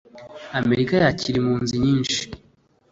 Amerika yakira impunzi nyinshi